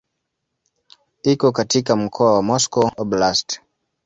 Iko katika mkoa wa Moscow Oblast.